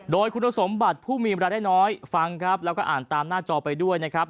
โดยคุณสมบัติผู้มีเวลาได้น้อยฟังครับแล้วก็อ่านตามหน้าจอไปด้วยนะครับ